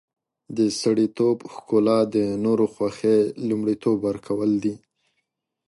د سړیتوب ښکلا د نورو خوښي لومړیتوب ورکول دي.